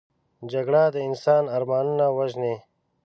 جګړه د انسان ارمانونه وژني